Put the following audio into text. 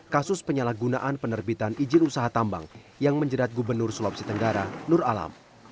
kasus penyalahgunaan penerbitan izin usaha tambang yang menjerat gubernur sulawesi tenggara nur alam